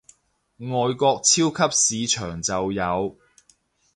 外國超級市場就有